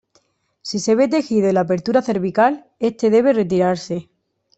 Si se ve tejido en la apertura cervical, este debe retirarse.